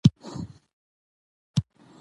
دښتې په ستراتیژیک اهمیت کې رول لري.